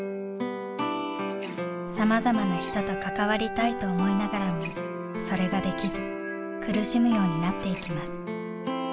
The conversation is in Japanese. さまざまな人と関わりたいと思いながらもそれができず苦しむようになっていきます。